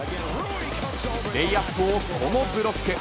レイアップをこのブロック。